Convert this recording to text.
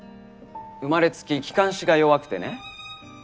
生まれつき気管支が弱くてね。